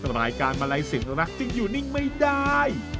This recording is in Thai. รายการมาลัยศิลป์รักษ์จะอยู่นิ่งไม่ได้